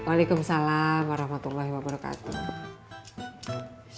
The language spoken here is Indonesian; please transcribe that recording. assalamualaikum warahmatullahi wabarakatuh